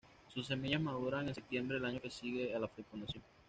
Sus semillas maduran en septiembre del año que sigue a la fecundación.